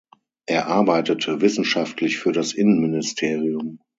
Er arbeitete wissenschaftlich für das Innenministerium.